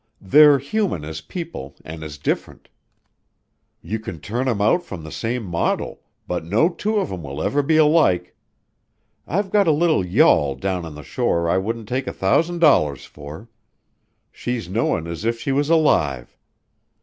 They're human as people an' as different. You can turn 'em out from the same model, but no two of 'em will ever be alike. I've got a little yawl down on the shore I wouldn't take a thousand dollars for. She's knowin' as if she was alive.